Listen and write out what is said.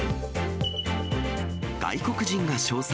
外国人が称賛！